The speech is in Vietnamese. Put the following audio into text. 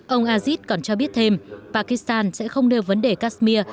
ông azit còn cho biết thêm pakistan sẽ không nêu vấn đề kashmir